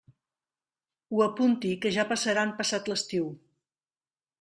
Ho apunti, que ja passaran passat l'estiu.